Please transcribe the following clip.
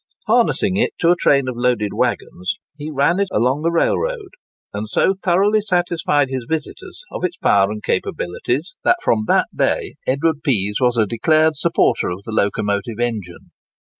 Harnessing it to a train of loaded waggons, he ran it along the railroad, and so thoroughly satisfied his visitors of its power and capabilities, that from that day Edward Pease was a declared supporter of the locomotive engine.